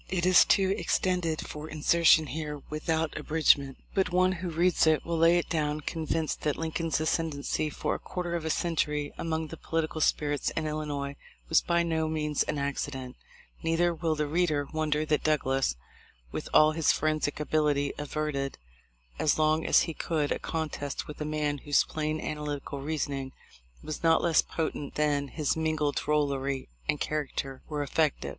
It is too extended for insertion here without abridgment; THE LIFE OF LINCOLN. 287 but one who reads it will lay it clown convinced that Lincoln's ascendency for a quarter of a century among the political spirits in Illinois was by no means an accident; neither will the reader wonder that Douglas, with all his forensic ability, averted, as long as he could, a contest with a man whose plain, analytical reasoning was not less potent than his mingled drollery and caricature were effective.